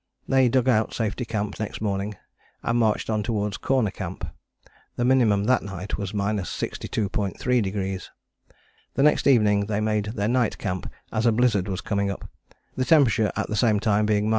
They dug out Safety Camp next morning, and marched on towards Corner Camp. The minimum that night was 62.3°. The next evening they made their night camp as a blizzard was coming up, the temperature at the same time being 34.